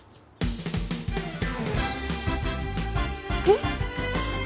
えっ？